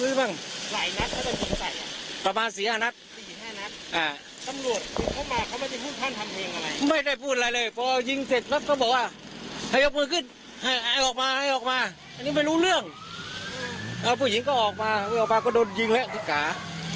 เอ้าผู้หญิงก็ออกมาออกมาก็โดนยิงแล้วทุกขา